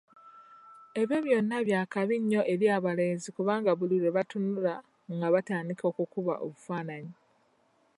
Ebyo byonna byakabi nnyo eri abalenzi kubanga buli lwe babatunuulira nga batandika okukuba obufaananyi